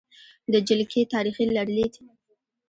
د جلکې تاریخې لرلید: